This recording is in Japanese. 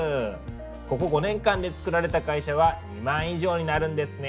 ここ５年間でつくられた会社は２万以上になるんですね。